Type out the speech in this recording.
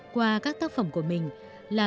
qua các tác phẩm của mình là